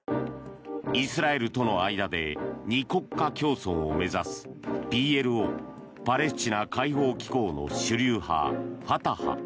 イスラエルとの間で２国家共存を目指すＰＬＯ・パレスチナ解放機構の主流派ファタハ。